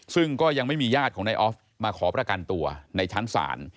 ซึ่งก็ยังไม่มีญาติของนายออฟมาขอประกันตัวในชั้นศาล